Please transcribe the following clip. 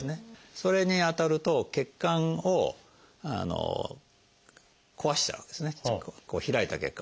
それに当たると血管を壊しちゃうわけですね開いた血管を。